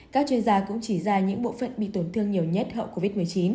các chuyên gia cũng chỉ ra những bộ phận bị tổn thương nhiều nhất hậu covid một mươi chín